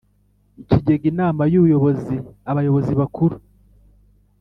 ikigega Inama y Ubuyobozi abayobozi bakuru